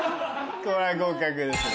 これは合格ですね。